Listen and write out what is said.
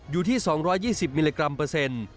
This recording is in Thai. อยู่ที่๒๒๐มิลลิกรัมเปอร์เซ็นต์